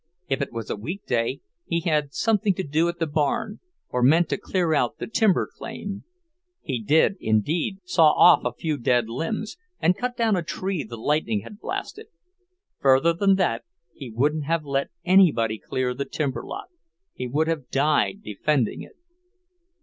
If it was a week day, he had something to do at the barn, or meant to clear out the timber claim. He did, indeed, saw off a few dead limbs, and cut down a tree the lightning had blasted. Further than that he wouldn't have let anybody clear the timber lot; he would have died defending it.